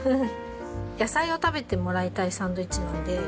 野菜を食べてもらいたいサンドイッチなので。